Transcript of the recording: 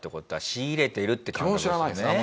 仕入れてるって考えですよね。